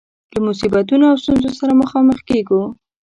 له مصیبتونو او ستونزو سره مخامخ کيږو.